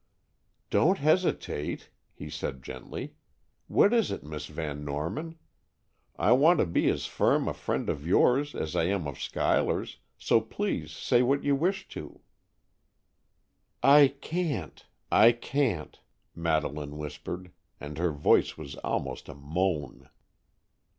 "Don't hesitate," he said gently; "what is it, Miss Van Norman? I want to be as firm a friend of yours as I am of Schuyler's, so please say what you wish to." "I can't—I can't," Madeleine whispered, and her voice was almost a moan.